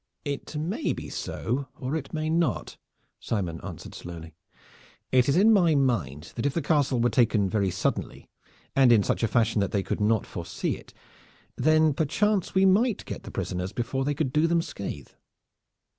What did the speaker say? "It may be so, or it may not," Simon answered slowly. "It is in my mind that if the castle were taken very suddenly, and in such a fashion that they could not foresee it, then perchance we might get the prisoners before they could do them scathe."